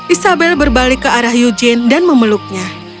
isabel berbalik ke arah eugene dan memeluknya